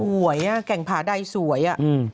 สวยอ่ะแก่งพาดัยสวยอ่ะ